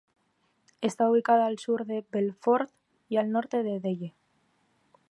Está ubicada a al sur de Belfort y al norte de Delle.